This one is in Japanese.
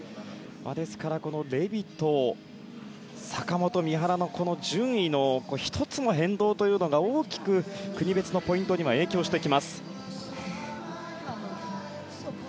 ですから、レビト坂本、三原の順位の１つの変動というのが大きく国別のポイントには影響してきます。